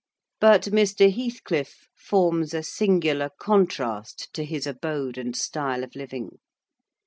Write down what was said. But Mr. Heathcliff forms a singular contrast to his abode and style of living.